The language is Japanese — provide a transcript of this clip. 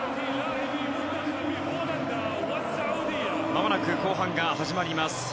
まもなく後半が始まります。